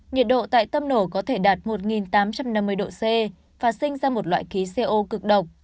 nhiệt độ tại tâm nổ có thể đạt một tám trăm năm mươi độ c và sinh ra một loại khí co cực độc